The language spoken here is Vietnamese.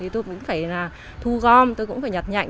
tôi cũng phải thu gom tôi cũng phải nhặt nhạnh